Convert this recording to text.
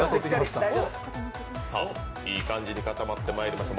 いい感じに固まってまいりました。